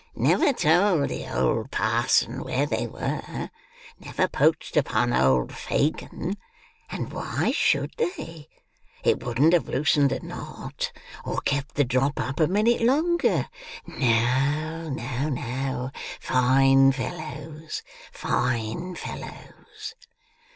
Never told the old parson where they were. Never poached upon old Fagin! And why should they? It wouldn't have loosened the knot, or kept the drop up, a minute longer. No, no, no! Fine fellows! Fine fellows!"